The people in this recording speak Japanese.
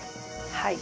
はい。